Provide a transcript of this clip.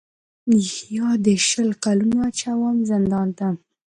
یا دي شل کلونه اچوم زندان ته